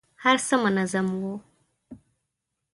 هر څه منظم وو.